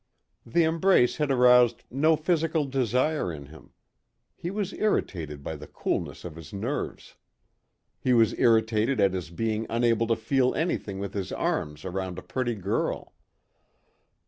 The embrace had aroused no physical desire in him. He was irritated by the coolness of his nerves. He was irritated at his being unable to feel anything with his arms around a pretty girl.